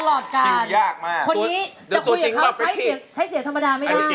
สลอดการณ์คนนี้จะคุยกับเขาใช้เสียธรรมดาไม่ได้ตัวจริงว่าเป็นพี่